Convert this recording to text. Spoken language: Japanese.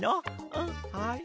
うんはい。